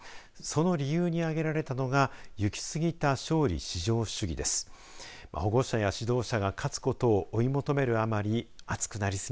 その理由に挙げられたのが行き過ぎた勝利至上主義です。